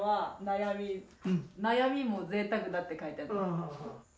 「悩みも贅沢だ」って書いてある。